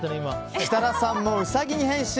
設楽さんもウサギに変身！